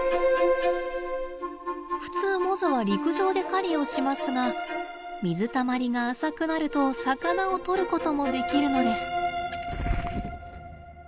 普通モズは陸上で狩りをしますが水たまりが浅くなると魚をとることもできるのです。